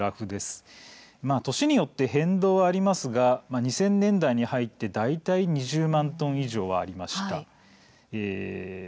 年によって変動はありますが２０００年代に入って大体２０万トン以上ありました。